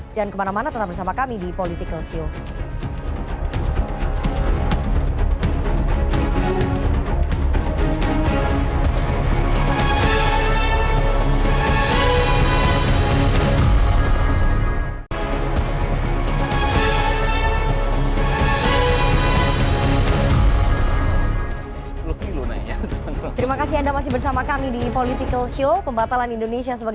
jangan kemana mana tetap bersama kami di politikalsio